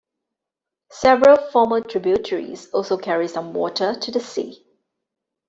Several former tributaries also carry some water to the sea.